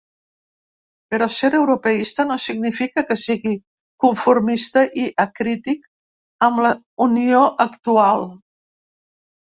Però ser europeista no significa que sigui conformista i acrític amb la unió actual.